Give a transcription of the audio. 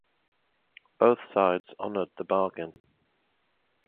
Both sides honored the bargain.